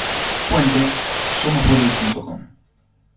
Fuente: somosvoley.com.